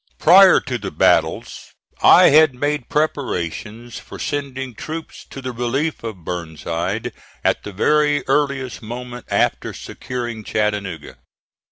Prior to the battles, I had made preparations for sending troops to the relief of Burnside at the very earliest moment after securing Chattanooga.